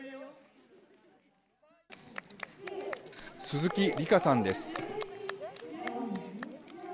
鈴木里佳さんです。